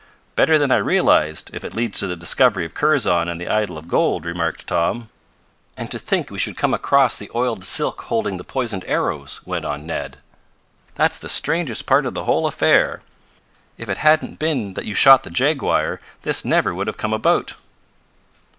"Better than I realized, if it leads to the discovery of Kurzon and the idol of gold," remarked Tom. "And to think we should come across the oiled silk holding the poisoned arrows!" went on Ned. "That's the strangest part of the whole affair. If it hadn't been that you shot the jaguar this never would have come about."